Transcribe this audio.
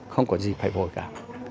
không có gì phải vội cả